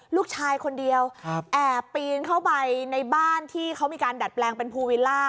ลูกชายคนเดียวแอบปีนเข้าไปในบ้านที่เขามีการดัดแปลงเป็นภูวิลล่า